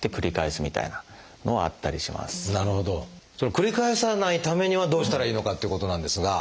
繰り返さないためにはどうしたらいいのかということなんですが。